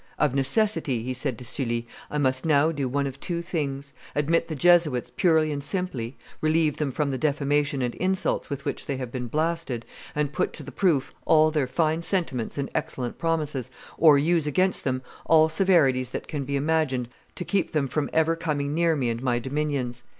"Of necessity," he said to Sully, "I must now do one of two things: admit the Jesuits purely and simply, relieve them from the defamation and insults with which they have been blasted, and put to the proof all their fine sentiments and excellent promises, or use against them all severities that can be imagined to keep them from ever coming near me and my dominions.